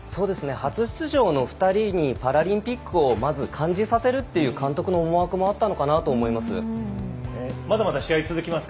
初出場の２人にパラリンピックをまず感じさせるっていう監督の思惑もあったんだと思います。